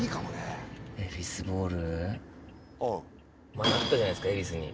前あったじゃないですか恵比寿に。